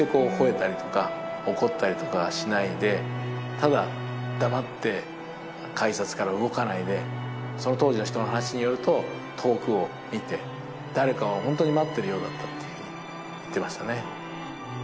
ただ黙って改札から動かないでその当時の人の話によると遠くを見て誰かをホントに待ってるようだったっていうふうに言ってましたね。